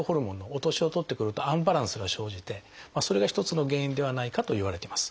お年を取ってくるとアンバランスが生じてそれが一つの原因ではないかといわれています。